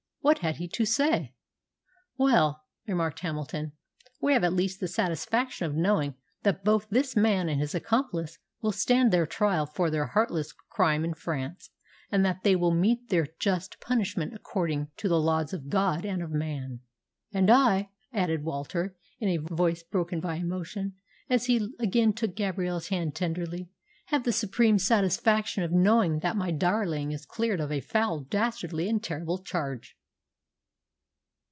What had he to say? "Well," remarked Hamilton, "we have at least the satisfaction of knowing that both this man and his accomplice will stand their trial for their heartless crime in France, and that they will meet their just punishment according to the laws of God and of man." "And I," added Walter, in a voice broken by emotion, as he again took Gabrielle's hand tenderly, "have the supreme satisfaction of knowing that my darling is cleared of a foul, dastardly, and terrible charge."